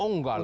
oh enggak lah